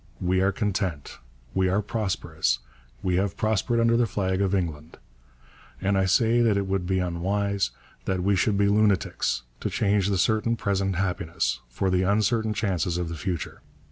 We are content, we are prosperous, we have prospered under the flag of England; and I say that it would be unwise, that we should be lunatics, to change the certain present happiness for the uncertain chances of the future.